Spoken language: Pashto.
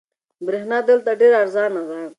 برېښنا دلته ډېره ارزانه ده.